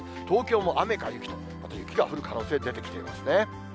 東京も雨か雪と、また雪が降る可能性、出てきていますね。